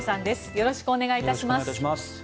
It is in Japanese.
よろしくお願いします。